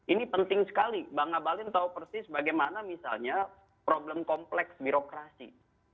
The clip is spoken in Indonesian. ini penting sekali bang ngabalin tahu persis bagaimana misalnya problem kompleks birokrasi